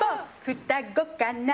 「双子かな」